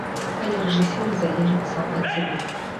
Але рэжысёр залежыць сам ад сябе.